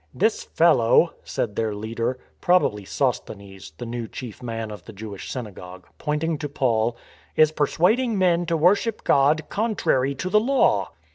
" This fellow," said their leader (probably Sos thenes, the new chief man of the Jewish synagogue) pointing to Paul, " is persuading men to worship God contrary to the law."